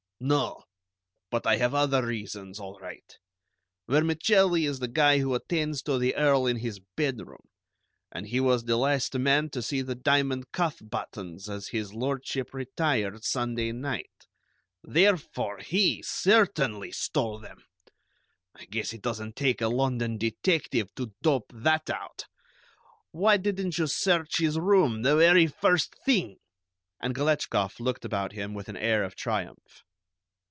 "No; but I have other reasons, all right. Vermicelli is the guy who attends to the Earl in his bedroom, and he was the last man to see the diamond cuff buttons as His Lordship retired Sunday night. Therefore, he certainly stole them. I guess it doesn't take a London detective to dope that out. Why didn't you search his room the very first thing?" And Galetchkoff looked about him with an air of triumph.